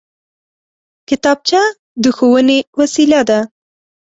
کتابچه د ښوونې وسېله ده